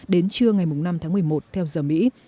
đến trưa ngày năm tháng một mươi một theo giờ mỹ